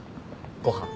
ご飯。